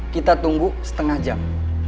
kita tunggu setengah jam